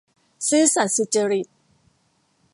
ซื่อสัตย์สุจริต